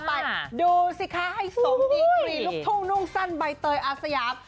ไปดูสิคะให้สมดีกรีลูกทุ่งนุ่งสั้นใบเตยอาสยาม